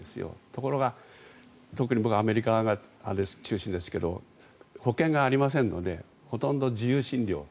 ところが特に僕はアメリカが中心ですが保険がありませんのでほとんど自費診療。